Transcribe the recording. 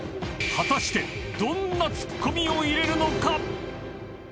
［果たしてどんなツッコミを入れるのか⁉］